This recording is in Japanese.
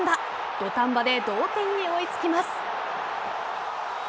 土壇場で同点に追いつきます。